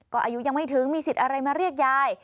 ก็อายุยังไม่ถึงมีสิทธิ์อะไรมาเรียกยาย